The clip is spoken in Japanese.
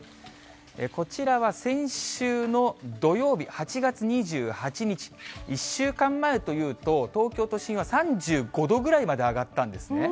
こちらは先週の土曜日８月２８日、１週間前というと、東京都心は３５度ぐらいまで上がったんですね。